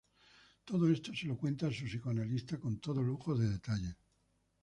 Todo esto se lo cuenta a su psicoanalista con todo lujo de detalles.